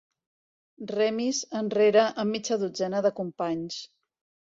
Remis enrere amb mitja dotzena de companys.